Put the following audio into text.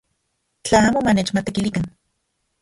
Tla amo manechmatekilikan.